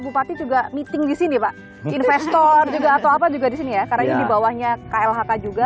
bupati juga meeting di sini pak investor juga atau apa juga di sini ya karena ini di bawahnya klhk juga